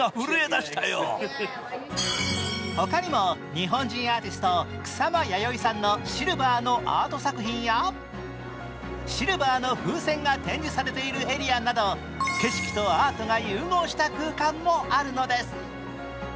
他にも日本人アーティスト草間彌生さんのシルバーのアート作品やシルバーの風船が展示されているエリアなど景色とアートが融合した空間もあるのです。